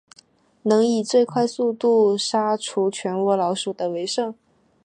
能以最快速度杀除全窝老鼠的为胜。